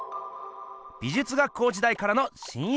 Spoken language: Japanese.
美術学校時代からの親友でした。